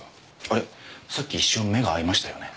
あれさっき一瞬目が合いましたよね。